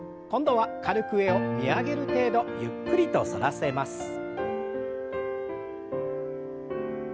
今度は軽く上を見上げる程度ゆっくりと反らせます。